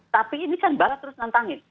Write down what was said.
tapi ini kan barat terus nantangin